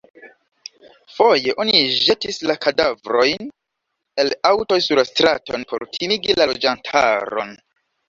Foje oni ĵetis la kadavrojn el aŭtoj sur la straton por timigi la loĝantaron.